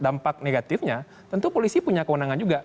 dampak negatifnya tentu polisi punya kewenangan juga